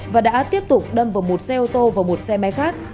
và đã tiếp tục đâm vào một xe ô tô và một xe máy khác